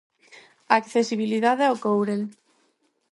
A accesibilidade ao Courel.